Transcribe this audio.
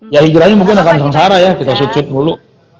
ya hijrahnya mungkin akan sengsara ya kita sudut sudut mulu